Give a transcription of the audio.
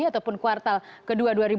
ataupun kuartal ke dua dua ribu enam belas